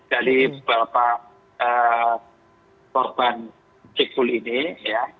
dari beberapa korban s cikbul ini ya